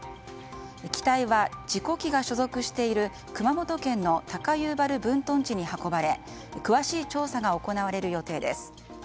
機体は事故機が所属している熊本県の高遊原分屯地に運ばれ詳しい調査が行われる予定です。